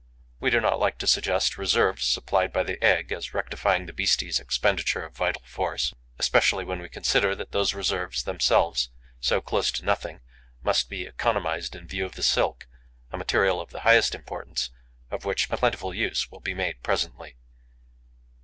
We do not like to suggest reserves supplied by the egg as rectifying the beastie's expenditure of vital force, especially when we consider that those reserves, themselves so close to nothing, must be economized in view of the silk, a material of the highest importance, of which a plentiful use will be made presently.